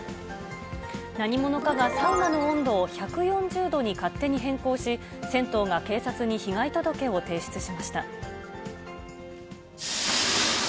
何者かがサウナの温度を１４０度に勝手に変更し、銭湯が警察に被害届を提出しました。